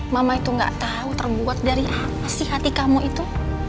mama itu gak tahu terbuat dari apa sih hati kamu itu